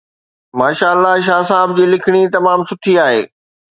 ماشاءالله شاهه صاحب جي لکڻي تمام سٺي آهي